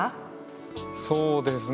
そうですね